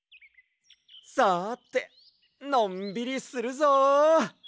さてのんびりするぞ！